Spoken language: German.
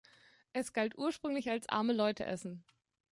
Es galt ursprünglich als „Arme-Leute-Essen“.